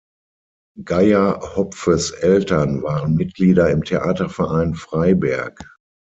Geyer-Hopfes Eltern waren Mitglieder im Theaterverein Freiberg.